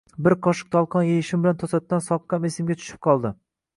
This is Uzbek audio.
Bir qoshiq tolqon yeyishim bilan to‘satdan soqqam esimga tushib qoldi.